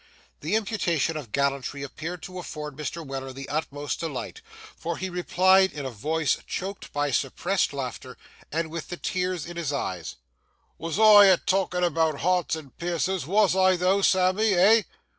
The imputation of gallantry appeared to afford Mr. Weller the utmost delight, for he replied in a voice choked by suppressed laughter, and with the tears in his eyes, 'Wos I a talkin' about hearts and piercers,—wos I though, Sammy, eh?